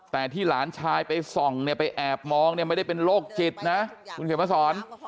แต่ที่หลานชายไปส่องเนี่ยไปแอบมองเนี่ยไม่ได้เป็นโรคจิตนะคุณเขียนมาสอน